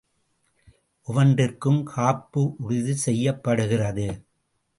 ஒவ்வொன்றிற்கும் காப்பு உறுதி செய்யப்படுகிறது.